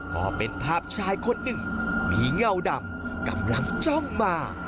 ก็เป็นภาพชายคนหนึ่งมีเงาดำกำลังจ้องมา